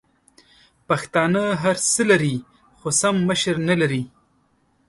پښتانه هرڅه لري خو سم مشر نلري!